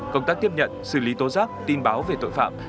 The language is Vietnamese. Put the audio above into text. công tác tiếp nhận xử lý tố giác tin báo về tội phạm